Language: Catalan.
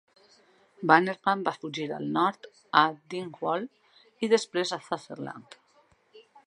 Bannerman va fugir al nord a Dingwall i després a Sutherland.